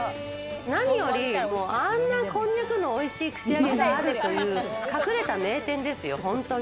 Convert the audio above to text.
何より、あんなこんにゃくのおいしい串揚げがあるという、隠れた名店ですよ、本当に。